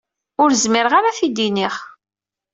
Ur zmireɣ ara ad t-id-iniɣ.